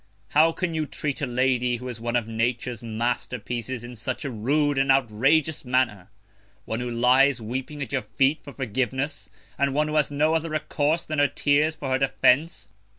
How can you treat a Lady, who is one of Nature's Master pieces, in such a rude and outrageous Manner, one who lies weeping at your Feet for Forgiveness, and one who has no other Recourse than her Tears for her Defence?